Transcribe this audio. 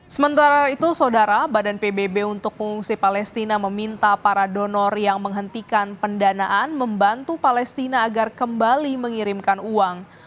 sementara itu saudara badan pbb untuk pengungsi palestina meminta para donor yang menghentikan pendanaan membantu palestina agar kembali mengirimkan uang